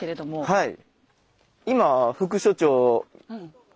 はい。